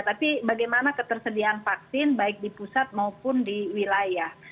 tapi bagaimana ketersediaan vaksin baik di pusat maupun di wilayah